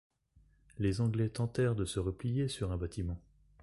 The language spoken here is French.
Les Anglais tentèrent de se replier sur un bâtiment.